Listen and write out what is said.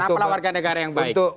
apalah warga negara yang baik